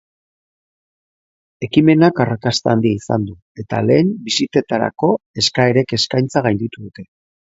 Ekimenak arrakasta handia izan du eta lehen bisitetarako eskaerek eskaintza gainditu dute.